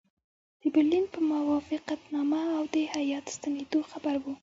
د برلین په موافقتنامه او د هیات ستنېدلو خبر وو.